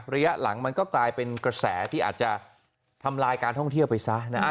ระยะหลังมันก็กลายเป็นกระแสที่อาจจะทำลายการท่องเที่ยวไปซะนะฮะ